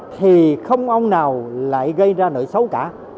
thì không ông nào lại gây ra nợ xấu cả